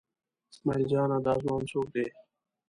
اسمعیل جانه دا ځوان څوک دی؟